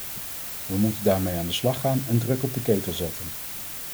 We moeten daarmee aan de slag gaan en druk op de ketel zetten.